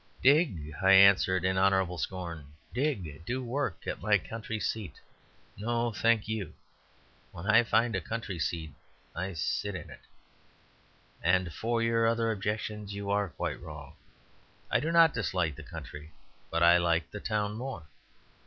"Dig!" I answered, in honourable scorn. "Dig! Do work at my Country Seat; no, thank you. When I find a Country Seat, I sit in it. And for your other objection, you are quite wrong. I do not dislike the country, but I like the town more.